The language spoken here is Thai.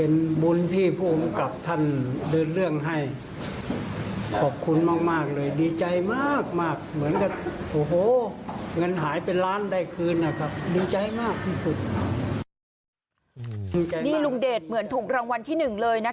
นี่ลุงเดชน์เหมือนถุงรางวัลที่หนึ่งเลยนะคะ